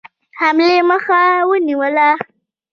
حملې مخه ونیوله.